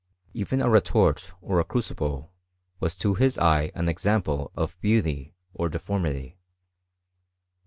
Even a retort, or a crucible, was to his eye an example of beauty, or deformity.